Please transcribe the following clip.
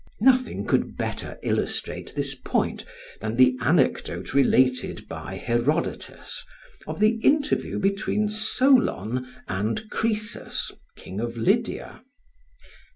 Nothing could better illustrate this point than the anecdote related by Herodotus of the interview between Solon and Croesus, King of Lydia.